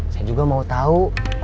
saya juga mau tau